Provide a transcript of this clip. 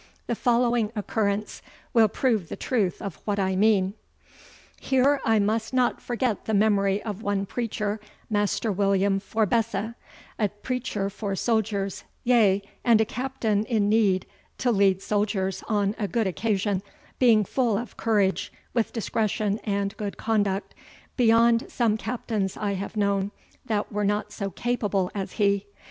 The following occurrence will prove the truth of what I mean: "Here I must not forget the memory of one preacher, Master William Forbesse, a preacher for souldiers, yea, and a captaine in neede to leade souldiers on a good occasion, being full of courage, with discretion and good conduct, beyond some captaines I have knowne, that were not so capable as he.